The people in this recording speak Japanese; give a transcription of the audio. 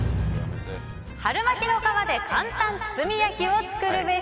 春巻きの皮で簡単包み焼きを作るべし。